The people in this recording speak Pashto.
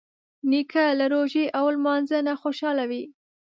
نیکه له روژې او لمانځه نه خوشحاله وي.